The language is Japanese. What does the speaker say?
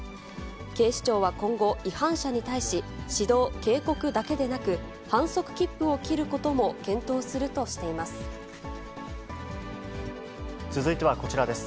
警視庁は今後、違反者に対し、指導・警告だけでなく、反則切符を切ることも検討するとしていま続いてはこちらです。